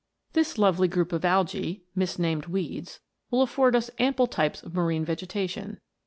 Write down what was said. This lovely group of algee, misnamed weeds, will afford us ample types of marine vegetation.